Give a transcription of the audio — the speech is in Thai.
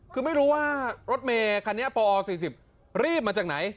คือไม่รู้ว่ารถเมคันนี้ปอ๔๐รีบมาจากไหน